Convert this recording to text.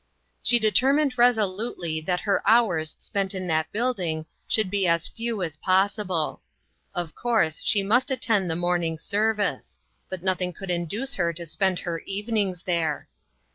She determined resolutely that her hours spent in that building should be as few as possible. Of course, she must attend the morning service ; but nothing could induce her to spend her evenings there.